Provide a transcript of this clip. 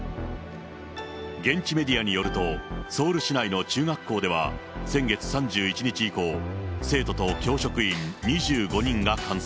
現地メディアによると、ソウル市内の中学校では先月３１日以降、生徒と教職員２５人が感染。